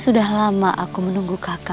sudah lama aku menunggu kakak